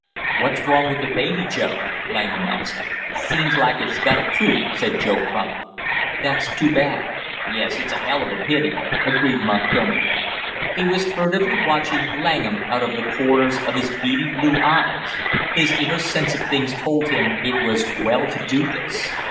"What's wrong with the baby, Joe?" Langham asked. "Seems like it's got a croup," said Joe promptly. "That's too bad " "Yes, it's a hell of a pity," agreed Montgomery. He was furtively watching Langham out of the corners of his beady blue eyes; his inner sense of things told him it was well to do this.